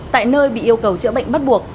tại nơi bị yêu cầu chữa bệnh bắt buộc